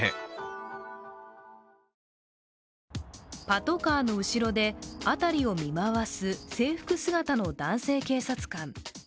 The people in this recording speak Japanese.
パトカーの後ろで辺りを見回す制服姿の男性警察官。